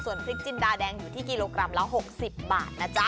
พริกจินดาแดงอยู่ที่กิโลกรัมละ๖๐บาทนะจ๊ะ